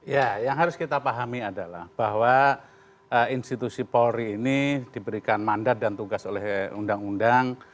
ya yang harus kita pahami adalah bahwa institusi polri ini diberikan mandat dan tugas oleh undang undang